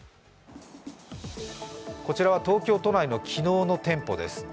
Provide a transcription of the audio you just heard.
こちらは東京都内の昨日の店舗です。